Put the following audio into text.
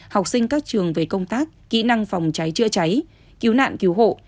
học sinh các trường về công tác kỹ năng phòng cháy chữa cháy cứu nạn cứu hộ